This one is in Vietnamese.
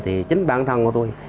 thì chính bản thân của tôi